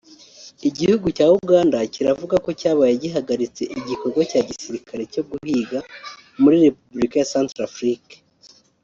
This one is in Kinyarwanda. Igihugu cya Uganda kiravuga ko cyabaye gihagaritse igikorwa cya gisirikare cyo guhiga muri Repubulika ya Centrafrique